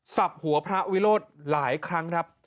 สับหัวพระวิโรธหลายครั้ง